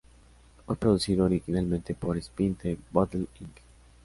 Fue producido originalmente por Spin the Bottle Inc.